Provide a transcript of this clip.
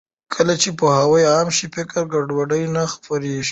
کله چې پوهاوی عام شي، فکري ګډوډي نه خپرېږي.